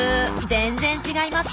全然違います。